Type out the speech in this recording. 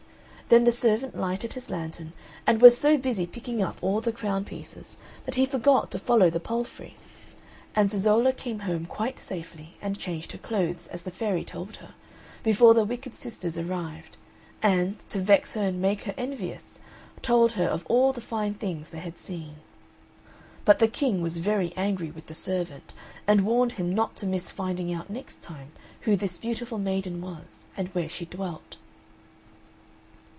Then the servant lighted his lantern, and was so busy picking up all the crown pieces that he forgot to follow the palfrey; and Zezolla came home quite safely, and had changed her clothes, as the fairy told her, before the wicked sisters arrived, and, to vex her and make her envious, told her of all the fine things they had seen. But the King was very angry with the servant, and warned him not to miss finding out next time who this beautiful maiden was, and where she dwelt.